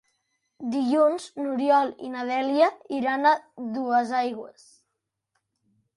Dilluns n'Oriol i na Dèlia iran a Duesaigües.